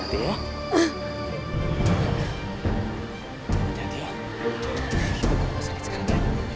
kita ke rumah sakit sekarang ya